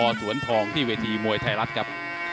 นักมวยจอมคำหวังเว่เลยนะครับ